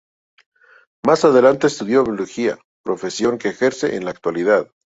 Más adelante estudió Biología, profesión que ejerce en la actualidad.